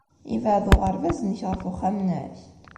Yebɛed uɣerbaz-nnek ɣef uxxam-nnek?